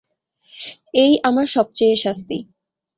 এই আমার সব চেয়ে শাস্তি।